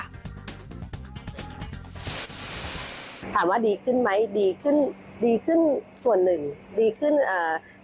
ถามว่าดีขึ้นไหมดีขึ้นส่วนหนึ่ง